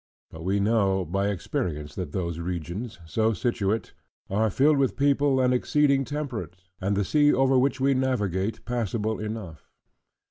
But we know by experience, that those regions, so situate, are filled with people, and exceeding temperate; and the sea, over which we navigate, passable enough.